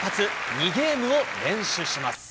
２ゲームを連取します。